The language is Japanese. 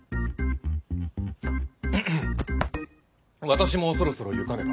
私もそろそろ行かねば。